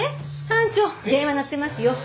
班長電話鳴ってますよ。